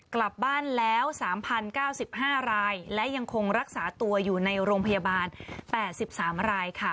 กลับบ้านแล้ว๓๐๙๕รายและยังคงรักษาตัวอยู่ในโรงพยาบาล๘๓รายค่ะ